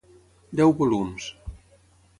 Deu volums.